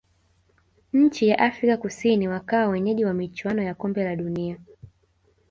nchi ya afrika kusini wakawa wenyeji wa michuano ya kombe la dunia